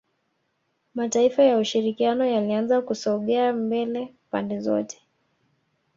Mataifa ya ushirikiano yalianza kusogea mbele pande zote